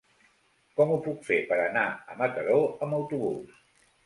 Com ho puc fer per anar a Mataró amb autobús?